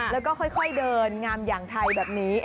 แล้วก็ค่อยเดินงามอย่างไทยแบบนี้